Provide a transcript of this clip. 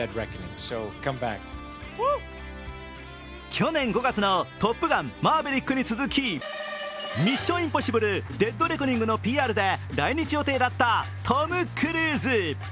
去年５月の「トップガンマーヴェリック」に続き「ミッション：インポッシブル／デッドレコニング」のＰＲで来日予定だったトム・クルーズ。